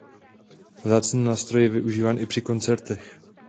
Vzácný nástroj je využíván i při koncertech.